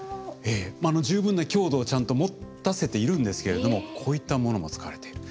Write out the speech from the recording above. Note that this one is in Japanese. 十分な強度をちゃんと持たせているんですけれどもこういったものも使われている。